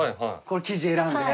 これ生地選んで？